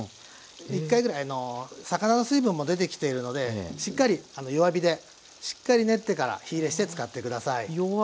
１回ぐらい魚の水分も出てきているのでしっかり弱火でしっかり練ってから火いれして使って下さい。